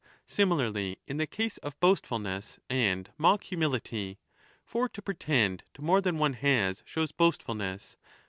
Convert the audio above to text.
Similarly in the case of boastfulness and mock humility. 25 For to pretend to more than one has shows boastfulness, 38 1186^2 =£".